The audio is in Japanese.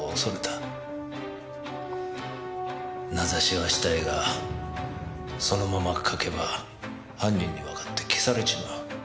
名指しはしたいがそのまま書けば犯人にわかって消されちまう。